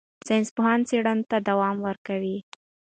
ساینسپوهان څېړنې ته دوام ورکوي.